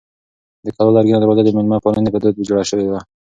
د کلا لرګینه دروازه د مېلمه پالنې په دود جوړه شوې وه.